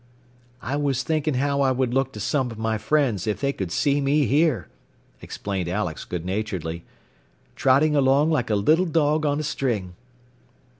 "I was thinking how I would look to some of my friends, if they could see me here," explained Alex good naturedly. "Trotting along like a little dog on a string."